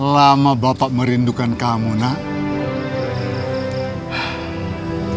lama bapak merindukan kamu nak